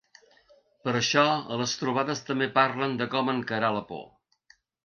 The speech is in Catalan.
Per això a les trobades també parlen de com encarar la por.